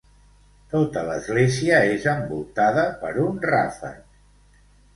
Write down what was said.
Tota l'església és envoltada per un ràfec.